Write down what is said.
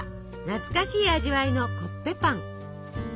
懐かしい味わいのコッペパン。